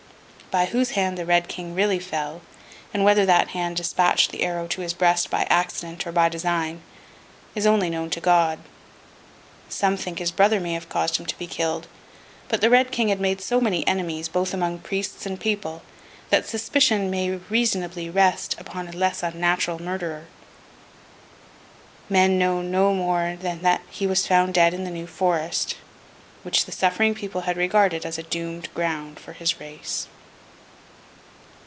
By whose hand the Red King really fell, and whether that hand despatched the arrow to his breast by accident or by design, is only known to God. Some think his brother may have caused him to be killed; but the Red King had made so many enemies, both among priests and people, that suspicion may reasonably rest upon a less unnatural murderer. Men know no more than that he was found dead in the New Forest, which the suffering people had regarded as a doomed ground for his race.